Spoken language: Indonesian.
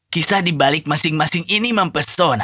kisah di balik masing masing ini mempesona